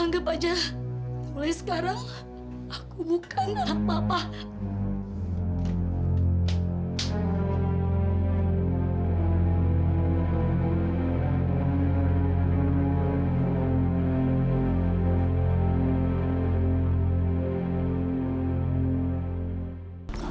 anggap aja mulai sekarang aku bukan anak papa